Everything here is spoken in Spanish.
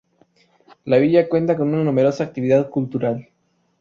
La villa cuenta con una numerosa actividad cultural.